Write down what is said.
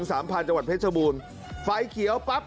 จังหวัดเพชรบูรณ์ไฟเขียวปั๊บ